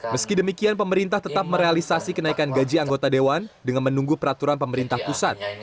meski demikian pemerintah tetap merealisasi kenaikan gaji anggota dewan dengan menunggu peraturan pemerintah pusat